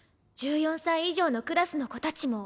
１４歳以上のクラスの子たちも。